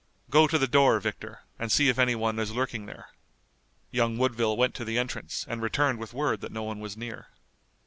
Go to the door, Victor, and see if any one is lurking there." Young Woodville went to the entrance and returned with word that no one was near.